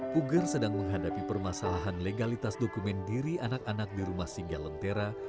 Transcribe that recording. puger sedang menghadapi permasalahan legalitas dokumen diri anak anak di rumah singga lentera